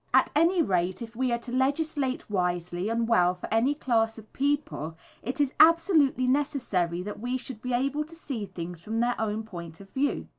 At any rate, if we are to legislate wisely and well for any class of people it is absolutely necessary that we should be able to see things from their own point of view.